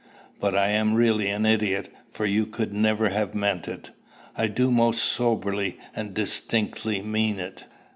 But I am really an idiot, for you could never have meant it!" "I do most soberly and distinctly mean it.